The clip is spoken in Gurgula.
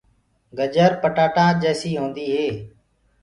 گجر پٽآٽآ جيسي هوندي هي۔